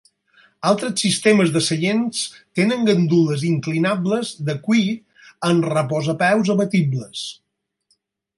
Altres sistemes de seients tenen gandules inclinables de cuir amb reposapeus abatibles.